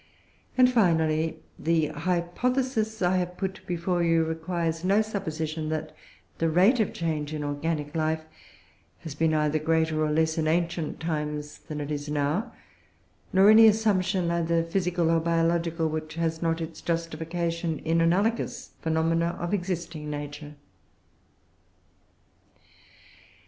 And, finally, the hypothesis I have put before you requires no supposition that the rate of change in organic life has been either greater or less in ancient times than it is now; nor any assumption, either physical or biological, which has not its justification in analogous phenomena of existing nature.